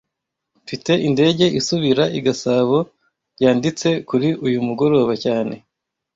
Mfite indege isubira i Gasabo yanditse kuri uyu mugoroba cyane